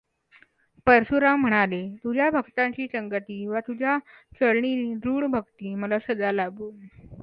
परशुराम म्हणाले तुझ्या भक्तांची संगती वा तुझ्या चरणी दृढ भक्ती मला सदा लाभो.